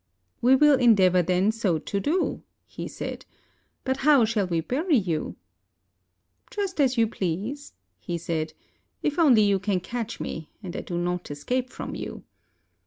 "We will endeavor then so to do," he said; "but how shall we bury you?" "Just as you please," he said, "if only you can catch me, and I do not escape from you."